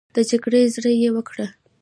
د جګړې زړي یې وکرل